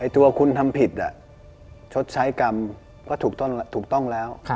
ตัวคุณทำผิดชดใช้กรรมก็ถูกต้องแล้ว